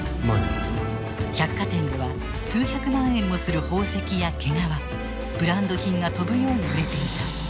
百貨店では数百万円もする宝石や毛皮ブランド品が飛ぶように売れていた。